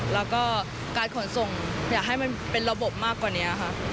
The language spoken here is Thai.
แล้วก็การขนส่งอยากให้มันเป็นระบบมากกว่านี้ค่ะ